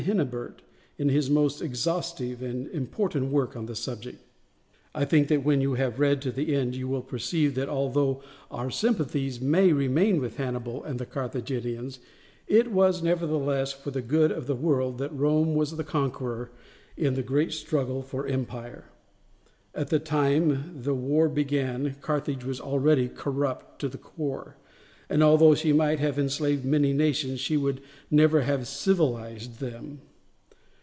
Hennebert in his most exhaustive and important work on the subject. I think that when you have read to the end you will perceive that although our sympathies may remain with Hannibal and the Carthaginians, it was nevertheless for the good of the world that Rome was the conqueror in the great struggle for empire. At the time the war began Carthage was already corrupt to the core, and although she might have enslaved many nations she would never have civilized them.